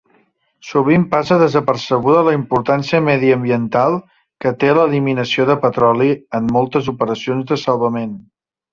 Sovint passa desapercebuda la importància mediambiental que té l'eliminació de petroli en moltes operacions de salvament.